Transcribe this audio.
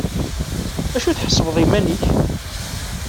D acu i tḥesbeḍ iman-ik?